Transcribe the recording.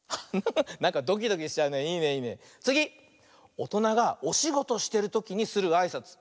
おとながおしごとしてるときにするあいさつ。